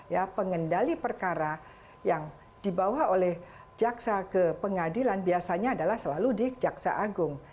ya pengendali perkara yang dibawa oleh jaksa ke pengadilan biasanya adalah selalu di jaksa agung